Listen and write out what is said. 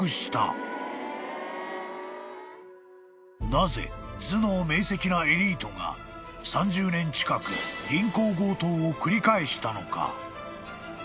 ［なぜ頭脳明晰なエリートが３０年近く銀行強盗を繰り返したのか？］